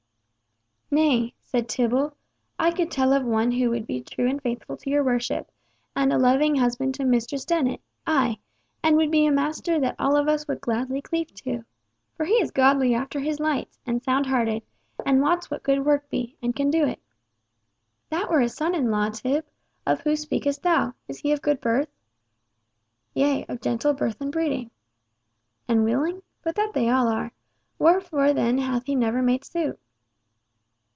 "Nay," said Tibble, "I could tell of one who would be true and faithful to your worship, and a loving husband to Mistress Dennet, ay, and would be a master that all of us would gladly cleave to. For he is godly after his lights, and sound hearted, and wots what good work be, and can do it." "That were a son in law, Tib! Of who speakest thou? Is he of good birth?" "Yea, of gentle birth and breeding." "And willing? But that they all are. Wherefore then hath he never made suit?"